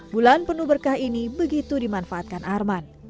bulan penuh berkah ini begitu dimanfaatkan arman